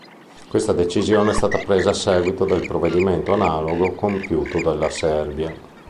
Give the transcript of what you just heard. Questa decisione è stata presa a seguito del provvedimento analogo compiuto della Serbia.